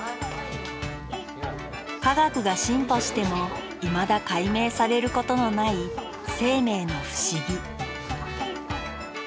科学が進歩してもいまだ解明されることのない生命の不思議。